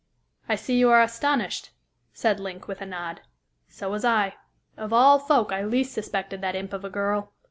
"I see you are astonished," said Link, with a nod; "so was I. Of all folk, I least suspected that imp of a girl.